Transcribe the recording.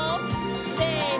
せの！